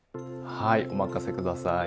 はいお任せ下さい。